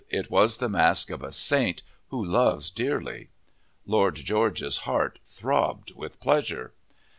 it was the mask of a saint who loves dearly. Lord George's heart throbbed with pleasure.